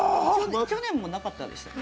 去年もなかったでしたっけ？